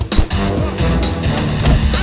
jasya jasya jasya